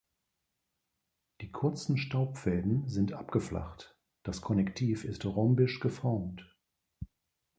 Die kurzen Staubfäden sind abgeflacht, das Konnektiv ist rhombisch geformt.